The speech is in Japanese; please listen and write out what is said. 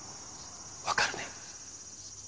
わかるね？